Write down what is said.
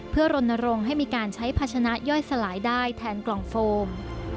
เพื่อรณรงค์ให้มีการใช้ภาชนะย่อยสลายได้แทนกล่องโฟม